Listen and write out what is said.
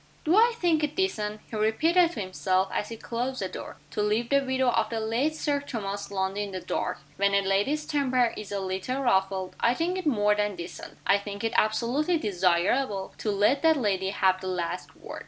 "Do I think it decent," he repeated to himself, as he closed the door, "to leave the widow of the late Sir Thomas Lundie in the dark? When a lady's temper is a little ruffled, I think it more than decent, I think it absolutely desirable, to let that lady have the last word."